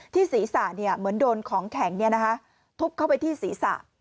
ศีรษะเหมือนโดนของแข็งทุบเข้าไปที่ศีรษะ